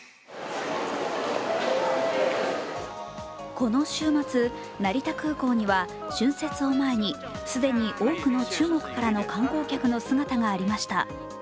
この週末、成田空港には春節を前に既に多くの中国からの観光客の姿がありました。